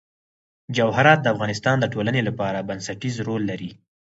جواهرات د افغانستان د ټولنې لپاره بنسټيز رول لري.